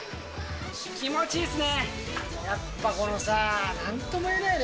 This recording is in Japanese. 気持ちいいっすね。